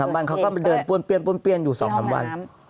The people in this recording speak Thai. มันเขาก็มาเดินป้วนเปี้ยนอยู่๒๓วัน